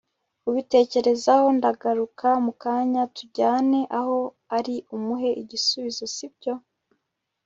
ubitekerezaho ndagaruka mukanya tujyane aho ari umuhe igisubizo Sibyo